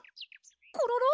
コロロ？